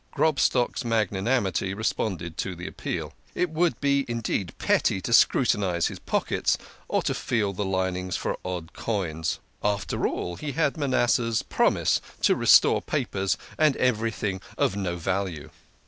Grobstock's magnanimity responded to the appeal. It would be indeed petty to scrutinise his pockets, or to feel the linings for odd coins. After all he had Manasseh's promise to restore papers and everything of no value.